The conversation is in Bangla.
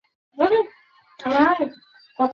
মা, তুমি আমাকে লজ্জা দিচ্ছো।